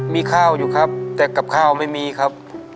มีข้าวอยู่ครับแต่กับข้าวไม่มีครับ